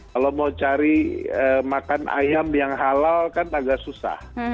kalau mau cari makan ayam yang halal kan agak susah